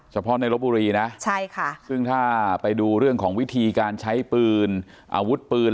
เฉพาะในลบบุรีนะใช่ค่ะซึ่งถ้าไปดูเรื่องของวิธีการใช้ปืนอาวุธปืน